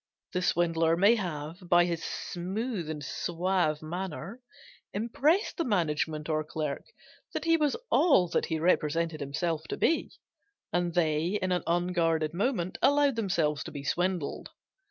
The swindler may have, by his smooth and suave manner, impressed the management or clerk that he was all that he represented himself to be, and they, in an unguarded moment, allowed themselves to be swindled.